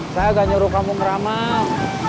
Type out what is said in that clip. saya gak nyuruh kamu meramah